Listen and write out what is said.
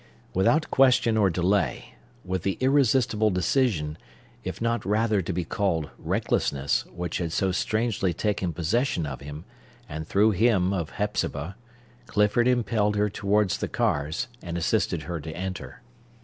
Without question or delay,—with the irresistible decision, if not rather to be called recklessness, which had so strangely taken possession of him, and through him of Hepzibah,—Clifford impelled her towards the cars, and assisted her to enter.